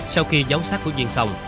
sau khi giấu sát của duyên